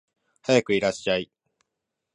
はやくいらっしゃい